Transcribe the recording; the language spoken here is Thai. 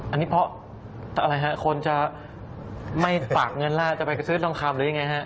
อันนี้เพราะคนจะไม่ตากเงินล่าจะไปซื้อดองคลัมหรือยังไงฮะ